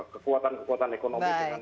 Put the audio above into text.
kekuatan kekuatan ekonomi dengan